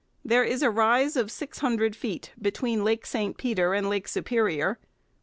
There is a rise of six hundred feet between Lake St Peter and Lake Superior.